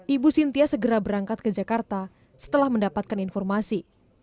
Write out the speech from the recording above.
ibu sintia segera berangkat ke jakarta setelah mendapatkan informasi